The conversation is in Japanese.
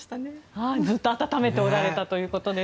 ずっと温めておられたということです。